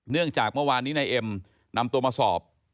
เนื่องจากเมื่อวานนี้ในเอ็มนำตัวมาสอบ